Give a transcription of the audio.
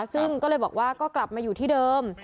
ซึ่งก็เลยบอกว่าก็กลับมาอยู่ที่เดิม